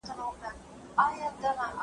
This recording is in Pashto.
حیات الله د قمرۍ د ځالۍ په لیدلو سره موسک شو.